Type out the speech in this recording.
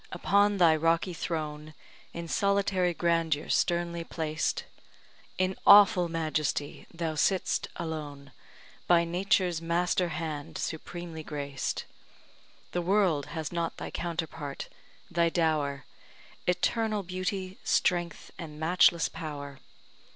upon thy rocky throne, In solitary grandeur sternly placed; In awful majesty thou sitt'st alone, By Nature's master hand supremely graced. The world has not thy counterpart thy dower, Eternal beauty, strength, and matchless power.